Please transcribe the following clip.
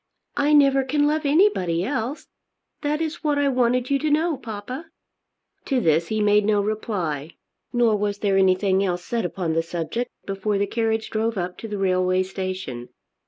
"I never can love anybody else. That is what I wanted you to know, papa." To this he made no reply, nor was there anything else said upon the subject before the carriage drove up to the railway station.